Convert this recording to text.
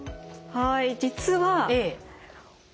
はい。